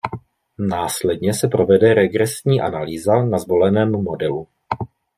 Následně se provede regresní analýza na zvoleném modelu.